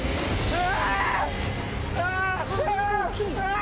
うわ！